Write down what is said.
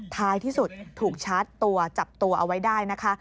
ท้ายที่สุดถูกชาร์จตัวจับตัวเอาไว้ได้นะคะ